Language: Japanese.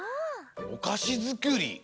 おかしづくり？